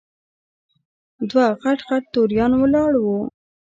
دوه غټ غټ توریان ولاړ وو.